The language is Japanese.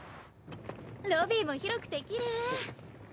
ロビーも広くてきれい。